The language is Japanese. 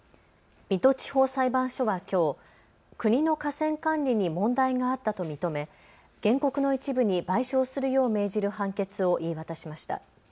水戸地方裁判所はきょう国の河川管理に問題があったと認め原告の一部に賠償するよう命じる判決を言い渡しました。